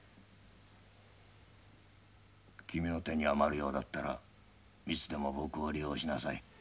君の手に余るようだったらいつでも僕を利用しなさい。